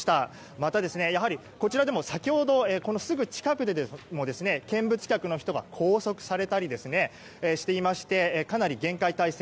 また、やはりこちらでも先ほど、すぐ近くでも見物客の人が拘束されたりしていましてかなり厳戒態勢。